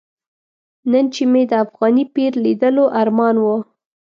نن چې مې د افغاني پیر لیدلو ارمان و.